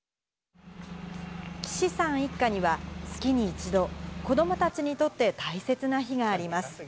岸さん一家には、月に一度、子どもたちにとって大切な日があります。